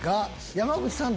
山口さん